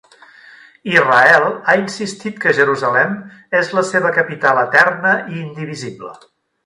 Israel ha insistit que Jerusalem és la seva capital eterna i indivisible.